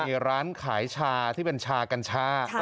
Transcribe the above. มีร้านขายชาที่เป็นชากัญชา